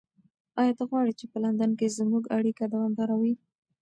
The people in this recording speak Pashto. ایا ته غواړې چې په لندن کې زموږ اړیکه دوامداره وي؟